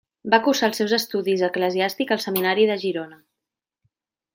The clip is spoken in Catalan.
Va cursar els seus estudis eclesiàstics al Seminari de Girona.